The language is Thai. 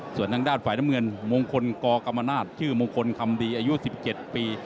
ส่วนทางด้านฝ่ายน้ำเงินมงคลกกรรมนาศชื่อมงคลคำดีอายุ๑๗ปี